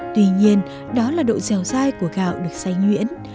tuy nhiên đó là độ dẻo dai của gạo được xay nhuyễn